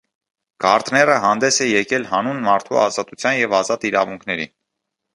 Գարդները հանդես է եկել հանուն մարդու ազատության և ազատ իրավունքների։